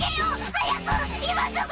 早く今すぐ！